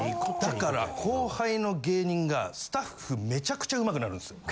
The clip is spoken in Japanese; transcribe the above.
だから後輩の芸人がスタッフめちゃくちゃ上手くなるんですよ。